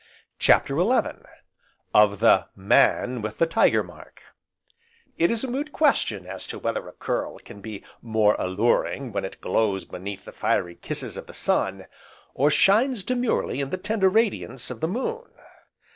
CHAPTER XI Of the "Man with the Tiger Mark" It is a moot question as to whether a curl can be more alluring when it glows beneath the fiery kisses of the sun, or shines demurely in the tender radiance of the moon.